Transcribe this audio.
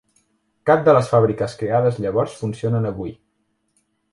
Cap de les fàbriques creades llavors funcionen avui.